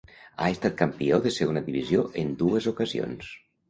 Ha estat campió de segona divisió en dues ocasions.